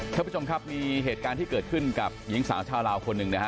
ท่านผู้ชมครับมีเหตุการณ์ที่เกิดขึ้นกับหญิงสาวชาวลาวคนหนึ่งนะฮะ